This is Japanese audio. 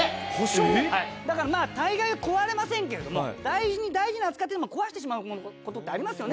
大概は壊れませんけれども大事に大事に扱ってても壊してしまうことってありますよね。